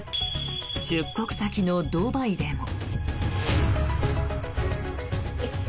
出国先のドバイでも。